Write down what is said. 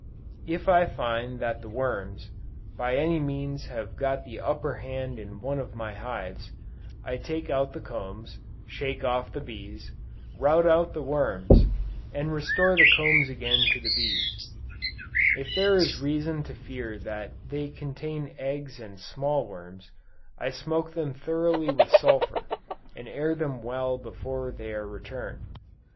If I find that the worms, by any means have got the upper hand in one of my hives, I take out the combs, shake off the bees, route out the worms and restore the combs again to the bees: if there is reason to fear that they contain eggs and small worms, I smoke them thoroughly with sulphur, and air them well before they are returned.